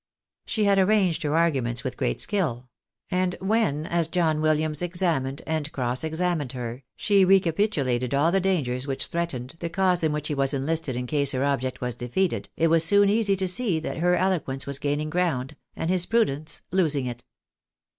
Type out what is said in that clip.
She had arranged her arguments with great skill ; and when, as John Williams examined and cross examined her, she recapitulated all the dangers which threatened the cause in which he was enlisted in case her object was defeated, it was soon easy to see that her eloquence was gaining ground, and his prudence losing it.